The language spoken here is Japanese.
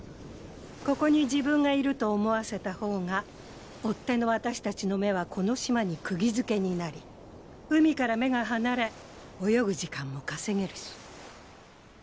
ここに自分が居ると思わせた方が追っ手の私達の目はこの島にくぎづけになり海から目が離れ泳ぐ時間も稼げるし。